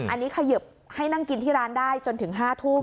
อันนี้ขยิบให้นั่งกินที่ร้านได้จนถึง๕ทุ่ม